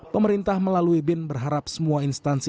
pemerintah melalui bin berharap semua instansi